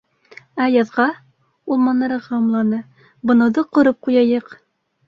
Ә яҙға, - ул манараға ымланы. - бынауҙы ҡороп ҡуяйыҡ.